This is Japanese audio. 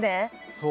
そう。